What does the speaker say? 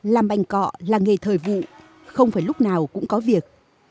làm bành cọ là nghề thời vụ không phải lúc nào cũng có việc